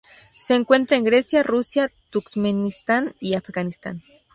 Se encuentra en Grecia, Rusia, Turkmenistán y Afganistán.